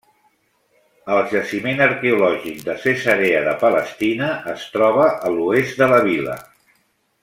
El jaciment arqueològic de Cesarea de Palestina es troba a l'oest de la vila.